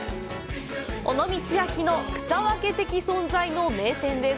尾道焼の草分け的存在の名店です。